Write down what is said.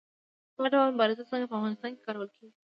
دا ډول مبارزه څنګه په افغانستان کې کارول کیږي؟